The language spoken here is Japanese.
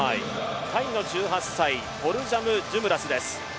タイの１８歳ポルジャムジュムラスです。